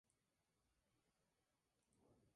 Este último fue hallado culpable.